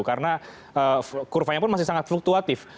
karena kurvanya pun masih sangat fluktuatif